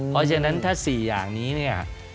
เพราะฉะนั้นถ้า๔อย่างนี้เนี่ย